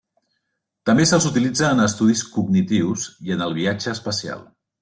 També se'ls utilitza en estudis cognitius i en el viatge espacial.